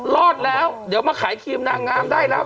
รอดแล้วเดี๋ยวมาขายครีมนางงามได้แล้ว